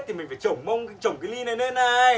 thì mình phải trổ mông trổ cái ly này lên này